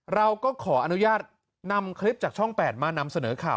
เราก็ขออนุญาตนำคลิปจากช่อง๘มานำเสนอข่าว